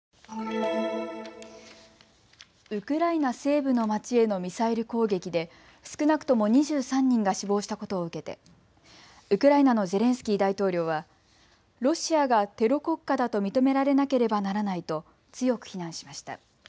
ウクライナ西部の街へのミサイル攻撃で少なくとも２３人が死亡したことを受けてウクライナのゼレンスキー大統領はロシアがテロ国家だと認められなければならないと強く非難しました。